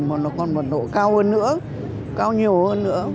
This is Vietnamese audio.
mà nó còn mật độ cao hơn nữa cao nhiều hơn nữa